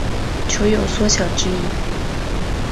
酉有缩小之意。